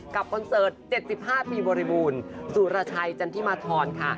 คอนเสิร์ต๗๕ปีบริบูรณ์สุรชัยจันทิมาธรค่ะ